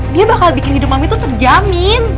dia bakal bikin hidup mami itu terjamin